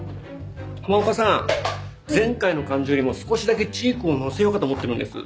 浜岡さん前回の感じよりも少しだけチークを載せようかと思ってるんです。